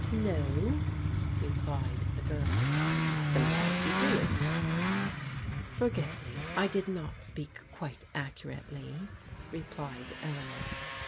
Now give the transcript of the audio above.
No," replied the girl. Then why do you do it ?" Forgive me, I did not speak quite accurately," replied Eleanor.